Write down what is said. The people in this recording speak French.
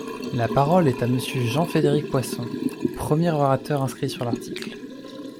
La parole est à Monsieur Jean-Frédéric Poisson, premier orateur inscrit sur l’article.